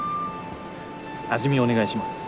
味見お願いします。